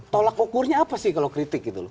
tolak ukurnya apa sih kalau kritik gitu loh